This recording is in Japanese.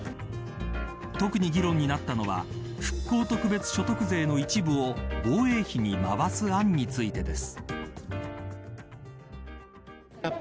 特に議論になったのは復興特別所得税の一部を防衛費に回す案についてです。